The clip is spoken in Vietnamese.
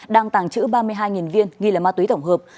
đang tàng trữ ba mươi hai viên nghi là ma túy tổng hợp